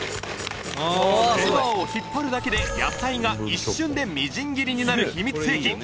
レバーを引っ張るだけで野菜が一瞬でみじん切りになる秘密兵器ぶんぶんチョッパー